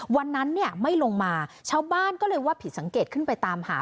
วันนั้นเนี่ยไม่ลงมาชาวบ้านก็เลยว่าผิดสังเกตขึ้นไปตามหา